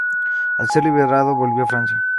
Al ser liberado volvió a Francia.